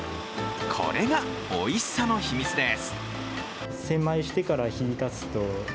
これが、おいしさの秘密です。